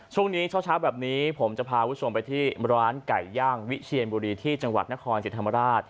ช่วงนี้เช้าแบบนี้ผมจะพาคุณผู้ชมไปที่ร้านไก่ย่างวิเชียนบุรีที่จังหวัดนครจิตธรรมราช